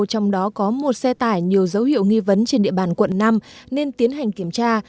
trong đó có một xe tải nhiều dấu hiệu nghi vấn trên địa bàn quận năm nên tiến hành kiểm tra